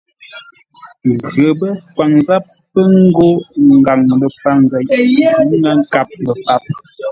Ghəpə́ kwaŋ záp ńgó ngaŋ ləpar nzeʼ ghʉ̌ ŋə́ nkâp lə́ páp.